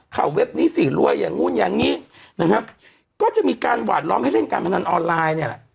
เว็บนี้สิรวยอย่างนู้นอย่างนี้นะครับก็จะมีการหวาดล้อมให้เล่นการพนันออนไลน์เนี่ยแหละ